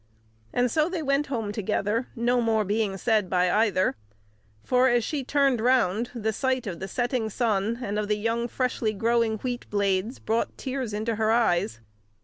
And so they went home together, no more being said by either; for, as she turned round, the sight of the setting sun and of the young freshly growing wheat blades brought tears into her eyes.